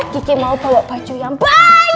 kiki mau bawa pacu yang banyak